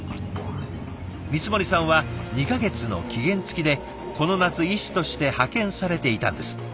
光森さんは２か月の期限付きでこの夏医師として派遣されていたんです。